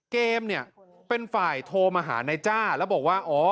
เกมเป็นฝ่ายโทรมาหาในจ้าแล้วบอกว่า